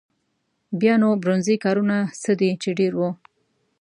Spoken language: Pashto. بیا نو برونزي کارونه څه دي چې ډېر وو.